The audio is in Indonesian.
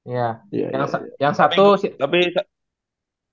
iya yang satu sih